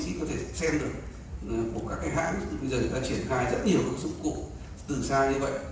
bác sĩ có thể xem được của các cái hãng bây giờ chúng ta triển khai rất nhiều dụng cụ từ xa như vậy